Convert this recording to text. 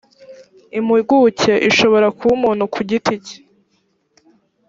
impuguke ishobora kuba umuntu ku giti cye